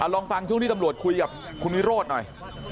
ลองฟังช่วงที่ตำรวจคุยกับคุณวิโรธหน่อย